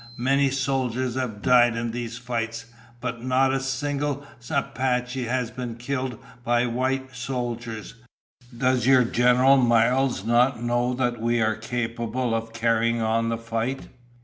Many soldiers have died in these fights, but not a single Apache has been killed by white soldiers. Does your General Miles not know that we are capable of carrying on the fight?"